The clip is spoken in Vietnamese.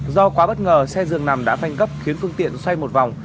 do quá bất ngờ xe dường nằm đã phanh gấp khiến phương tiện xoay một vòng